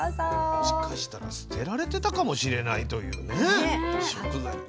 もしかしたら捨てられてたかもしれないという食材。